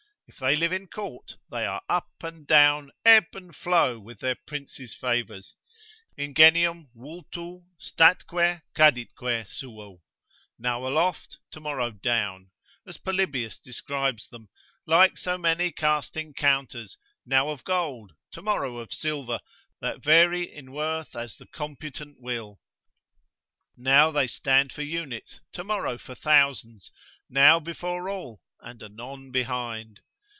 If they live in court, they are up and down, ebb and flow with their princes' favours, Ingenium vultu statque caditque suo, now aloft, tomorrow down, as Polybius describes them, like so many casting counters, now of gold, tomorrow of silver, that vary in worth as the computant will; now they stand for units, tomorrow for thousands; now before all, and anon behind.